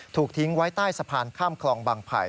ถูกทิ้งไว้ใต้สะพานข้ามคลองบางไผ่